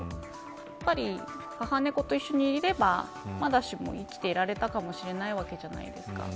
やっぱり母猫と一緒にいればまだしも生きていられたかもしれないわけじゃないですか。